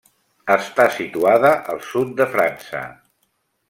Està situada al sud de França.